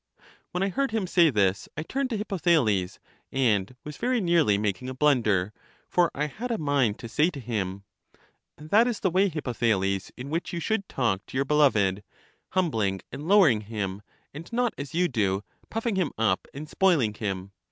When I heard him say this, I turned to Hippotha les, and was very nearly making a blunder, for I had a mind to say to him: That is the way, Hippothales, in which you should tajk to your beloved, humbling and lowering him, and not as you do, puffing him up and spoiling him.